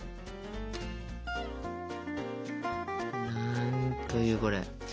なんというこれ。